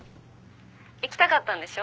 ☎行きたかったんでしょ？